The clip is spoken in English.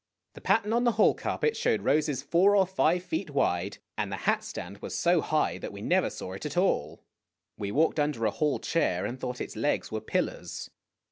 The pattern on the hall carpet showed roses four or five feet wide, and the hat stand was so hiofh that we never saw it at all. We walked O under a hall chair, and thought its legs were pillars.